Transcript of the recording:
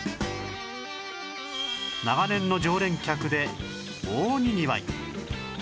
長年の常連客で大にぎわい